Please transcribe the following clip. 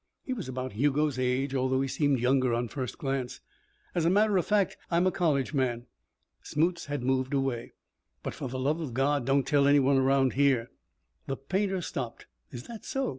He was about Hugo's age, although he seemed younger on first glance. "As a matter of fact, I'm a college man." Smoots had moved away. "But, for the love of God, don't tell any one around here." The painter stopped. "Is that so!